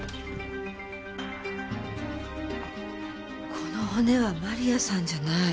この骨は万里亜さんじゃない。